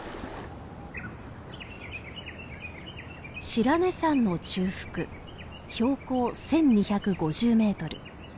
白根山の中腹標高１，２５０メートル。